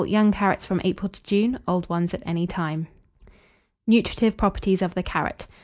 Young carrots from April to June, old ones at any time. NUTRITIVE PROPERTIES OF THE CARROT.